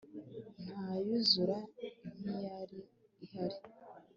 ntayuzura nkiyali ihali